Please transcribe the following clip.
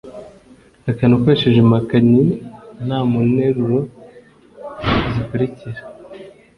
Hakana ukoresha impakanyi nta mu nteruro zikurikira: